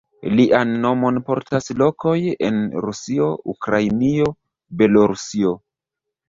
Lian nomon portas lokoj en Rusio, Ukrainio, Belorusio.